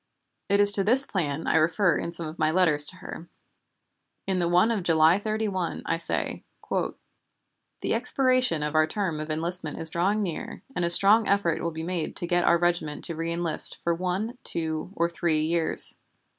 It is to this plan I refer in some of my letters to her. In the one of July 31 I say: "The expiration of our term of enlistment is drawing near and a strong effort will be made to get our regiment to reënlist for one, two, or three years.